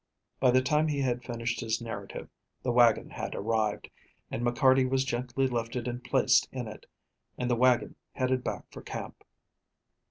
By the time he had finished his narrative, the wagon had arrived, and McCarty was gently lifted and placed in it, and the wagon headed back for camp.